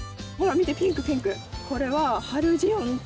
見てピンクピンク。